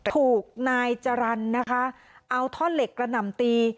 ถูกนายจรรย์นะคะเอาท่อนเหล็กกระหน่ำตี